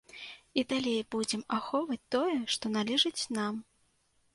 І далей будзем ахоўваць тое, што належыць нам.